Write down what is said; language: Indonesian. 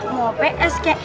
mau ps kek